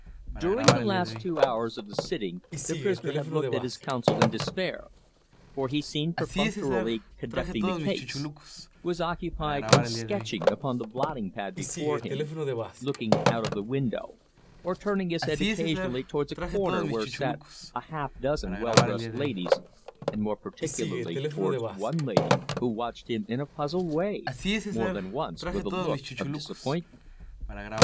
During the last two hours of the sitting the prisoner had looked at his counsel in despair, for he seemed perfunctorily conducting the case: was occupied in sketching upon the blotting pad before him, looking out of the window, or turning his head occasionally towards a corner where sat a half dozen well dressed ladies, and more particularly towards one lady who watched him in a puzzled way more than once with a look of disappointment.